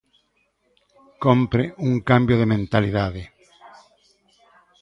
Cómpre un cambio de mentalidade.